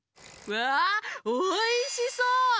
わあおいしそう！